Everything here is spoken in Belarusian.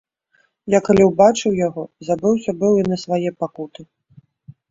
Я, калі ўбачыў яго, забыўся быў і на свае пакуты.